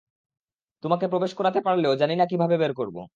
তোমাকে প্রবেশ করাতে পারলেও জানি না কীভাবে বের করব!